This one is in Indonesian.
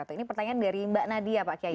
ini pertanyaan dari mbak nadia pak kiai